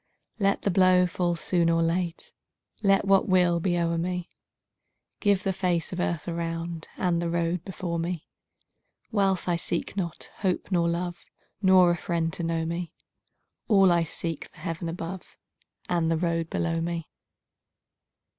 Let the blow fall soon or late, Let what will be o'er me; Give the face of earth around And the road before me. Wealth I seek not, hope nor love, Nor a friend to know me; All I seek, the heaven above And the road below me.